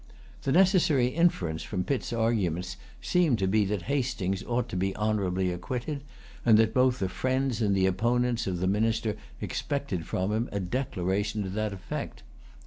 The necessary inference from Pitt's arguments seemed to be that Hastings ought to be honorably acquitted; and both the friends and the opponents of the Minister expected from him a declaration to that effect.